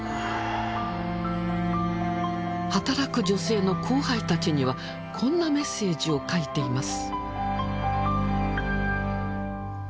働く女性の後輩たちにはこんなメッセージを書いています。